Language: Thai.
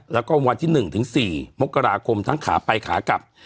แล้วก็วันที่๑ถึง๔มกราคมทั้งขาไปขากลับ